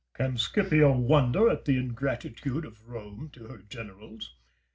Caesar. Can Scipio wonder at the ingratitude of Rome to her generals?